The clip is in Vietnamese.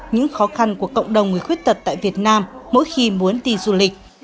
những khó khăn của cộng đồng người khuyết tật tại việt nam mỗi khi muốn đi du lịch